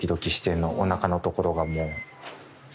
おなかのところがもう。